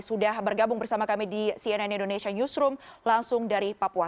sudah bergabung bersama kami di cnn indonesia newsroom langsung dari papua